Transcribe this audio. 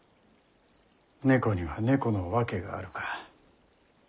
「猫には猫の訳がある」か。